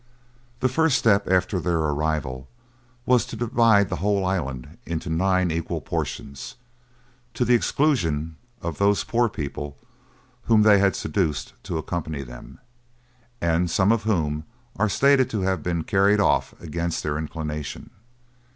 The first step after their arrival was to divide the whole island into nine equal portions, to the exclusion of those poor people whom they had seduced to accompany them, and some of whom are stated to have been carried off against their inclination.